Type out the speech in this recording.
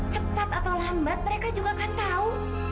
cepat atau lambat mereka juga akan tahu